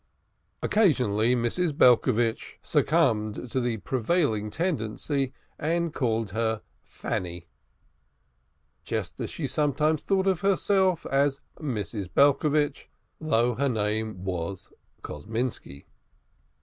Occasionally, Mrs. Belcovitch succumbed to the prevailing tendency, and called her "Fanny," just as she sometimes thought of herself as Mrs. Belcovitch, though her name was Kosminski.